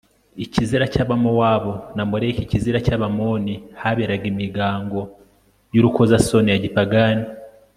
ikizira cy'abamowabu; na moleki ikizira cy'abamoni, haberaga imigango y'urukozasoni ya gipagani